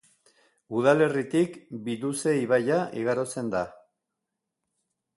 Udalerritik Biduze ibaia igarotzen da.